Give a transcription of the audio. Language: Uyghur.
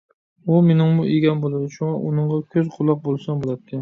ئۇ مېنىڭمۇ ئىگەم بولىدۇ، شۇڭا ئۇنىڭغا كۆز - قۇلاق بولسام بولاتتى.